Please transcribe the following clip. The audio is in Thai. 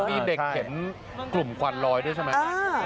มีเด็กเห็นกลุ่มควันลอยด้วยใช่ไหม